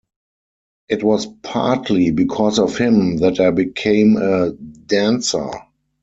It was partly because of him that I became a dancer.